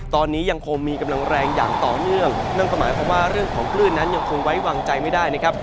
ตอนนี้ยังคงมีกำลังแรงอย่างต่อเนื่องนั่นก็หมายความว่าเรื่องของคลื่นนั้นยังคงไว้วางใจไม่ได้นะครับ